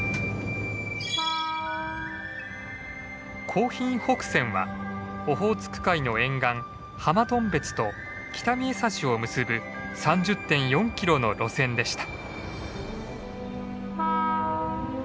興浜北線はオホーツク海の沿岸浜頓別と北見枝幸を結ぶ３０．４キロの路線でした。